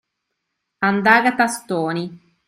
Andare a tastoni.